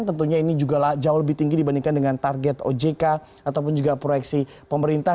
tentunya ini juga jauh lebih tinggi dibandingkan dengan target ojk ataupun juga proyeksi pemerintah